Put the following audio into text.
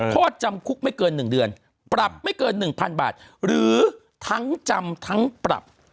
โทษจำคุกไม่เกิน๑เดือนปรับไม่เกิน๑๐๐๐บาทหรือทั้งจำทั้งปรับ